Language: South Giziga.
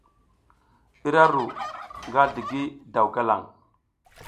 Ira ru nga zligi daw galaŋ.